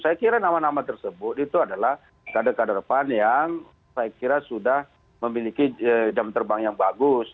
saya kira nama nama tersebut itu adalah kader kader pan yang saya kira sudah memiliki jam terbang yang bagus